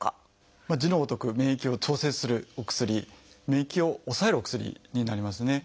字のごとく免疫を調節するお薬免疫を抑えるお薬になりますね。